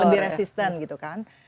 lebih resisten gitu kan